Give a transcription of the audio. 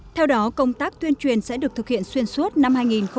theo đó công tác tuyên truyền sẽ được thực hiện xuyên suốt năm hai nghìn một mươi chín